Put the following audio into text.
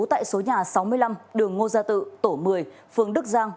tại số nhà sáu mươi năm đường ngô gia tự tổ một mươi phường đức giang